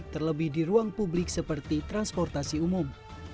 terlebih di ruang publik seperti transportasi umum